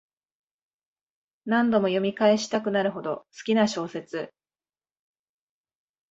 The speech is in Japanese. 何度も読み返したくなるほど好きな小説